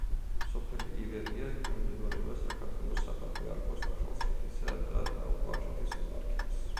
სოფელი ივერია ექვემდებარება საქართველოს საპატრიარქოს ახალციხისა და ტაო-კლარჯეთის ეპარქიას.